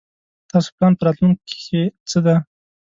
تاسو پلان په راتلوونکي کې څه دی ؟